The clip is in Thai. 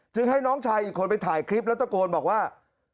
ให้น้องชายอีกคนไปถ่ายคลิปแล้วตะโกนบอกว่า